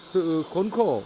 sự khốn khổ